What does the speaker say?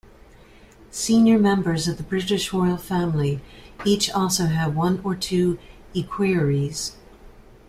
Senior members of the British Royal Family each also have one or two equerries.